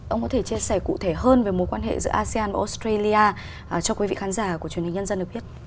ông có thể chia sẻ cụ thể hơn về mối quan hệ giữa asean và australia cho quý vị khán giả của truyền hình nhân dân được biết